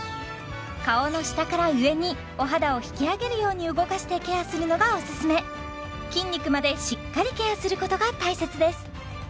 顔の下から上にお肌を引き上げるように動かしてケアするのがおすすめ筋肉までしっかりケアすることが大切です